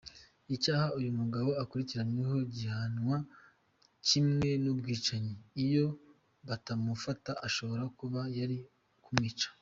Icyaha uyu mugabo akurikiranyweho gihanwa kimwe n’ubwicanyi, iyo batamufata ashobora kuba yari kumwica.